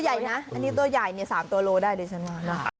อันนี้ตัวใหญ่นะ๓ตัวโลได้ด้วยฉันว่า